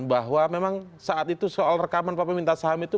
bahwa memang saat itu soal rekaman papa minta saham itu